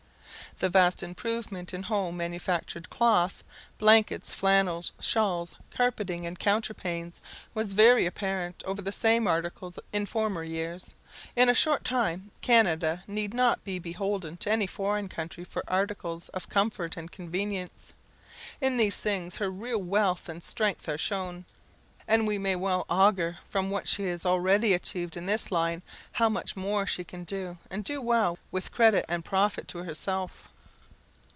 The vast improvement in home manufactured cloth, blankets, flannels, shawls, carpeting, and counterpanes, was very apparent over the same articles in former years. In a short time Canada need not be beholden to any foreign country for articles of comfort and convenience. In these things her real wealth and strength are shown; and we may well augur from what she has already achieved in this line, how much more she can do and do well with credit and profit to herself.